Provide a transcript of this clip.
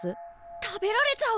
食べられちゃう！？